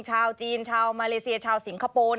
ชาวจีนชาวมาเลเซียชาวสิงคโปร์